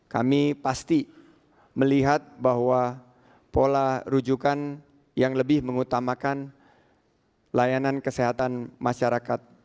kami pasti melihat bahwa pola rujukan yang lebih mengutamakan layanan kesehatan masyarakat